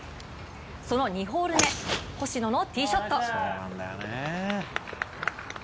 その２ホール目星野のティーショット。